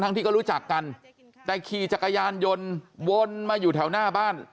ที่ก็รู้จักกันแต่ขี่จักรยานยนต์วนมาอยู่แถวหน้าบ้าน